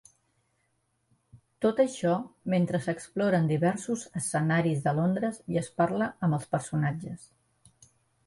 Tot això mentre s'exploren diversos escenaris de Londres i es parla amb els personatges.